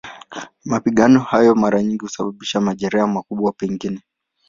Mapigano hayo mara nyingi husababisha majeraha, makubwa pengine.